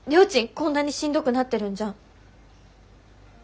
こんなにしんどくなってるんじゃん。